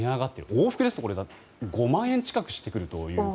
往復ですと５万円近くしてくると。